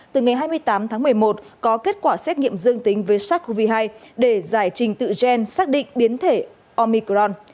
từ ngày hai mươi tám tháng một mươi một có kết quả xét nghiệm dương tính với sars cov hai để giải trình tự gen xác định biến thể omicron